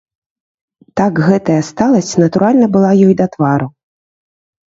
Так гэтая сталасць натуральна была ёй да твару.